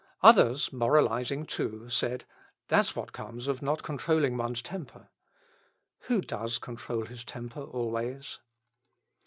Others, moralising too, said, "That's what comes of not controlling one's temper." Who does control his temper, always?